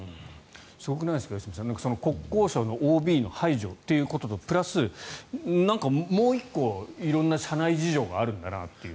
すごくないですか良純さん。国交省のＯＢの排除ということとプラスなんかもう１個、色んな社内事情があるんだなという。